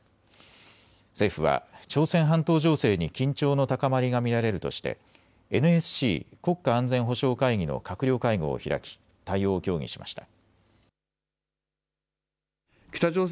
政府は朝鮮半島情勢に緊張の高まりが見られるとしてＮＳＣ・国家安全保障会議の閣僚会合を開き対応を協議しました。